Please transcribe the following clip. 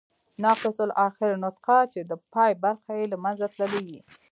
ناقص الاخرنسخه، چي د پای برخي ئې له منځه تللي يي.